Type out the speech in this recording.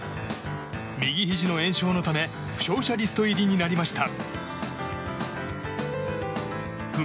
右ひじの炎症のため負傷者リスト入りになりました。